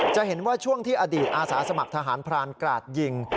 จะเห็นว่าช่วงที่อดีตอาสาสมัครทหารพรานกราดยิง